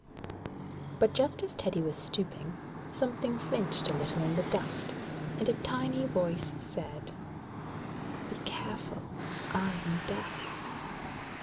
But just as Teddy was stooping, something flinched a little in the dust, and a tiny voice said: 'Be careful. I am death!'